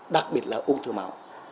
đặc biệt là ung thư máu